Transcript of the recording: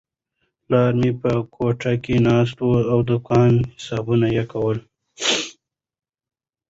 پلار مې په کوټه کې ناست و او د دوکان حسابونه یې کول.